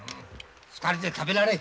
２人で食べられ。